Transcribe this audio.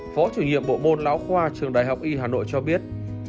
phó chủ nhiệm bộ môn lão khoa trường đại học y hà nội cho biết